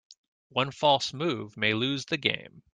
One false move may lose the game.